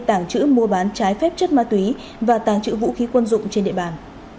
tảng trữ mua bán trái phép chất ma túy và tảng trữ vũ khí quân dụng trên địa bàn